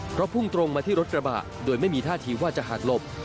เพราะพุ่งตรงมาที่รถกระบะโดยไม่มีท่าทีว่าจะหักหลบ